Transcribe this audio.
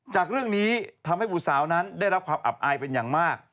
จากเรื่องนี้ทำให้บุตรสาวนั้นได้รับความอับอายเป็นอย่างมาก